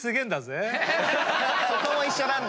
そこも一緒なんだ。